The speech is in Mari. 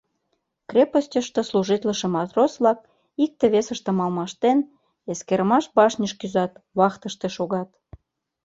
Крепостъышто служитлыше матрос-влак, икте-весыштым алмаштен, эскерымаш башньыш кӱзат, вахтыште шогат.